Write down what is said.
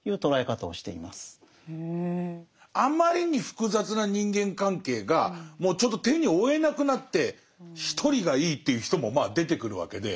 あまりに複雑な人間関係がもうちょっと手に負えなくなって一人がいいっていう人もまあ出てくるわけで。